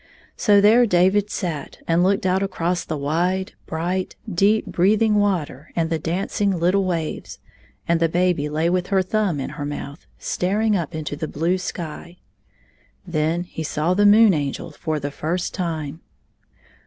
So there David sat and looked out across the wide, bright, deep, breathing water and the danc ing little waves, and the baby lay with her thumb in her mouth, staring up into the blue sky. Then he saw the Moon Angel for the first time.